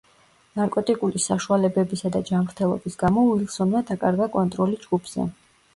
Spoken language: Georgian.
ნარკოტიკული საშუალებებისა და ჯანმრთელობის გამო უილსონმა დაკარგა კონტროლი ჯგუფზე.